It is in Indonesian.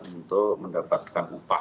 untuk mendapatkan upah